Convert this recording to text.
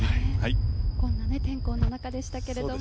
こんな天候のなかでしたけども。